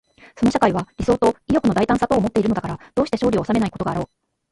その社会は理想と意欲の大胆さとをもっているのだから、どうして勝利を収めないことがあろう。